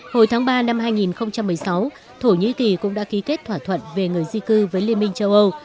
hồi tháng ba năm hai nghìn một mươi sáu thổ nhĩ kỳ cũng đã ký kết thỏa thuận về người di cư với liên minh châu âu